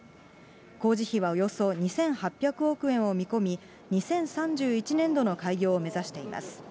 工事費はおよそ２８００億円を見込み、２０３１年度の開業を目指しています。